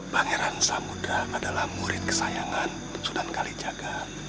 pangeran samudera adalah murid kesayangan sunan kalijaga